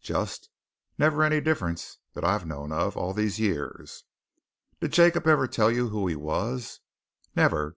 "Just! Never any difference that I've known of, all these years." "Did Jacob ever tell you who he was?" "Never!